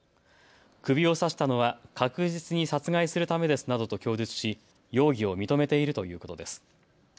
首を刺したのは確実に殺害するためですなどと供述し容疑を認めているということです。